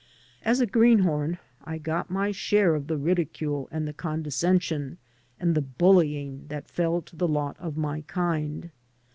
As a greenhorn I got my share of the ridicule and the condescension and the bullying that fell to the lot of my kind.